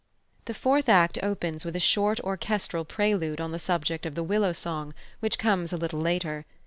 The fourth act opens with a short orchestral prelude on the subject of the "Willow Song," which comes a little later.